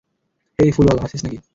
হেই, ফুলওয়ালা, আছিস নাকি?